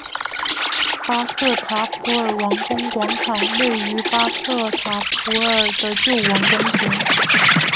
巴克塔普尔王宫广场位于巴克塔普尔的旧王宫前。